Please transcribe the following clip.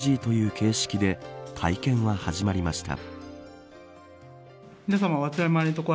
顔出しＮＧという形式で会見は始まりました。